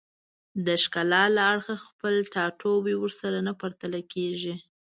د ښکلا له اړخه خپل ټاټوبی ورسره نه پرتله کېږي